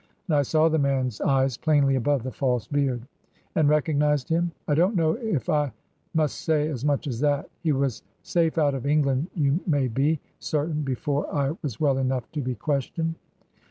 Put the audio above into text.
And I saw the man's ^y^s plainly above the false beard." " And recognised him !"" I don't know if I must say as much as that. He was safe out of England you may be certain before I was well enough to be questioned."